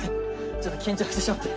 ちょっと緊張してしまって。